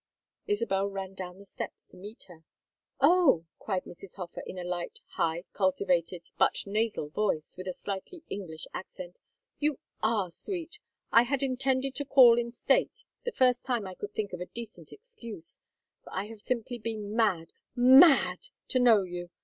Isabel ran down the steps to meet her. "Oh!" cried Mrs. Hofer, in a light, high, cultivated, but nasal voice, with a slightly English accent. "You are sweet! I had intended to call in state the first time I could think of a decent excuse, for I have simply been mad mad to know you.